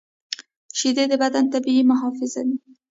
شیدې د بدن طبیعي محافظ دي